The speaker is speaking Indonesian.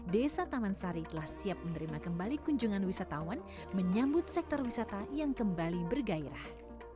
desa taman sari telah siap menerima kembali kunjungan wisatawan menyambut sektor wisata yang kembali bergairah